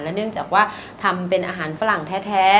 เนื่องจากว่าทำเป็นอาหารฝรั่งแท้